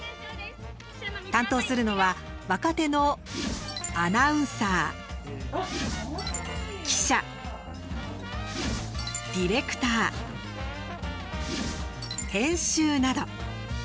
担当するのは若手のアナウンサー記者ディレクター編集など。